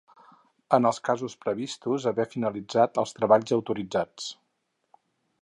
En els casos previstos, haver finalitzat els treballs autoritzats.